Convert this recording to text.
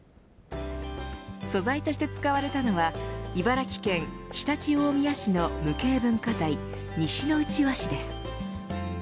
素材として使われたのは茨城県常陸大宮市の無形文化財、西ノ内和紙です。